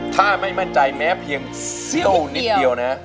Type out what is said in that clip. ถ้าไม่มั่นใจแม้เพียงเสี้ยวนิดเดียวนะ